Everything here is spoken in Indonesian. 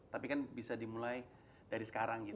tapi kan bisa dimulai dari sekarang gitu